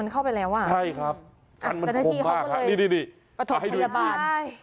เข้าไปแล้วอ่ะใช่ครับอันมันโคมมากนี่นี่นี่ประถบพันธบาล